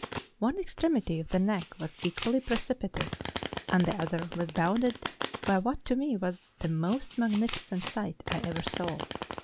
One extremity of the neck was equally precipitous, and the other was bounded by what to me was the most magnificent sight I ever saw.